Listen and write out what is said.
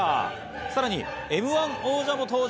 さらにМ‐１王者も登場。